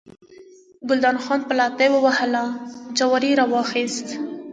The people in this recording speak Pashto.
ګلداد خان پلتۍ ووهله، جواری یې راواخیست.